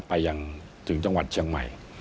ไปยังถึงจังหวัดเชียงใหม่